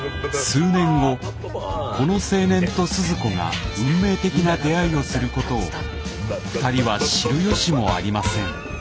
数年後この青年とスズ子が運命的な出会いをすることを２人は知る由もありません。